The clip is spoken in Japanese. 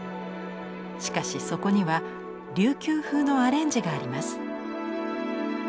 しかしそこには琉球風のアレンジがあります。